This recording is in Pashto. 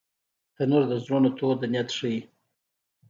تنور د زړونو تود نیت ښيي